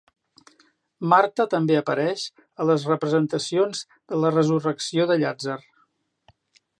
Marta també apareix a les representacions de la resurrecció de Llàtzer.